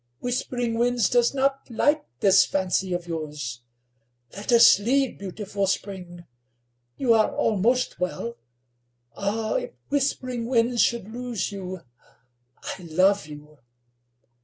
"Whispering Winds does not like this fancy of yours. Let us leave Beautiful Spring. You are almost well. Ah! if Whispering Winds should lose you! I love you!"